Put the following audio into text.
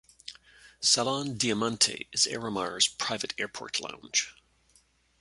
Salon Diamante is Aeromar's private airport lounge.